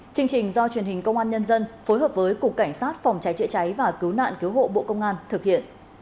chương trình do truyền hình công an nhân dân phối hợp với cục cảnh sát phòng cháy chữa cháy và cứu nạn cứu hộ bộ công an thực hiện